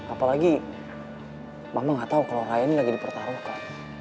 apalagi mama gak tahu kalau raya ini lagi dipertaruhkan